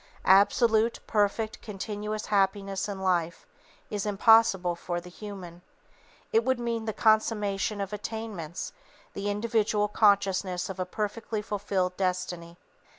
Absolute, perfect, continuous happiness in life, is impossible for the human. It would mean the consummation of attainments, the individual consciousness of a perfectly fulfilled destiny.